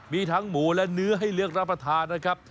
มีทั้งหมูและเนื้อให้เลือกรับประทานนะครับ